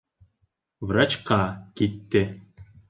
Врачҡа китте.